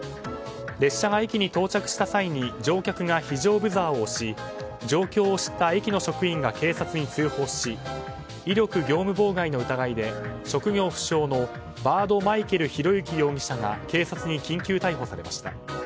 列車が駅に到着した際に乗客が非常ブザーを押し状況を知った駅の職員が警察に通報し威力業務妨害の疑いで職業不詳のバード・マイケル裕之容疑者が警察に緊急逮捕されました。